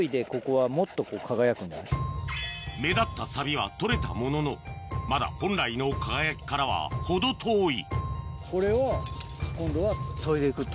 目立った錆は取れたもののまだ本来の輝きからは程遠いこれを今度は。